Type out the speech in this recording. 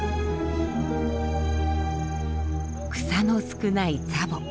草の少ないツァボ。